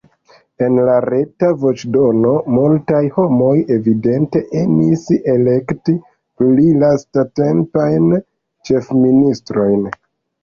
En la reta voĉdonado multaj homoj evidente emis elekti pli lastatempajn ĉefministrojn.